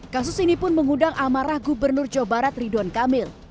kasus ini pun mengundang amarah gubernur jawa barat ridwan kamil